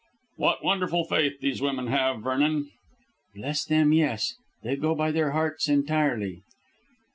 "What wonderful faith these women have, Vernon." "Bless them, yes. They go by their hearts entirely."